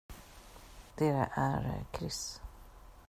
Det är Chris.